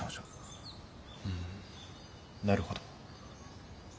うんなるほど。